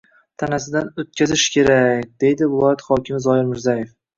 Tanasidan o‘tkazish kerak”, — deydi viloyat hokimi Zoir Mirzayev